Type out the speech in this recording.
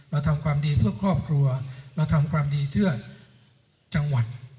เราทำความดีเพื่อครอบครัวเราทำความดีเพื่อจังหวัด